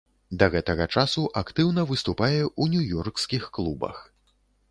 Да гэтага часу актыўна выступае ў нью-ёркскіх клубах.